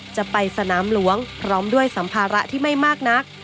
จะไปสนามหลวงพร้อมด้วยสัมภาระที่ไม่มากนัก